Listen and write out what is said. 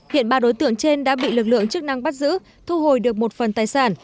hiện ba đối tượng trên đã bị lực lượng chức năng bắt giữ thu hồi được một phần tài sản